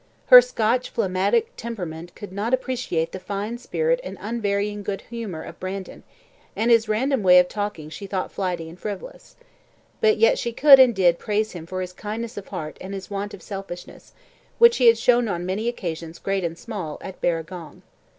Her Scotch phlegmatic temperament could not appreciate the fine spirit and unvarying good humour of Brandon, and his random way of talking she thought flighty and frivolous. But yet she could, and did, praise him for his kindness of heart and his want of selfishness, which he had shown on many occasions, great and small, at Barragong.